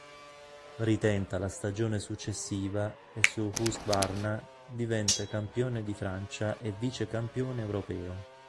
Ritenta la stagione successiva e su Husqvarna diventa campione di Francia e vicecampione europeo.